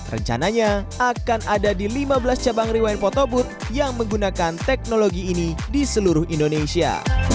rencananya akan ada di lima belas cabang rewind photobooth yang menggunakan teknologi ini di seluruh indonesia